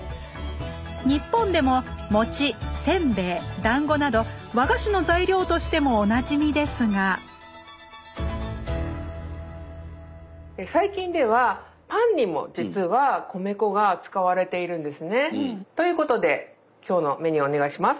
日本でももちせんべいだんごなど和菓子の材料としてもおなじみですが最近ではパンにも実は米粉が使われているんですね。ということで今日のメニューをお願いします。